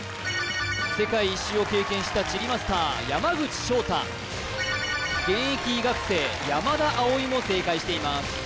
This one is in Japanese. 世界一周を経験した地理マスター山口尚太現役医学生山田碧海も正解しています